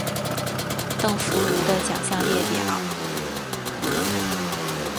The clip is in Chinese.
邓福如的奖项列表